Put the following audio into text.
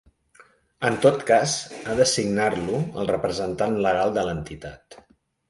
En tot cas ha de signar-lo el representant legal de l'entitat.